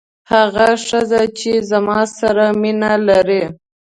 هغه ښځه چې زما سره مینه لري.